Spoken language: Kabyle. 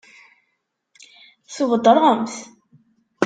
Tweddṛem-t?